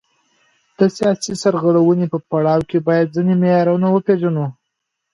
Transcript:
د سیاسي سرغړونې په پړاو کې باید ځینې معیارونه وپیژنو.